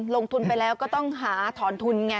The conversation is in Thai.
ลงทุนไปแล้วก็ต้องหาถอนทุนไง